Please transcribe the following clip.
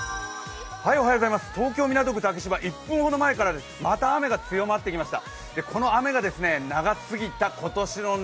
東京・港区竹芝、１分ほど前からまた雨が強まってきました。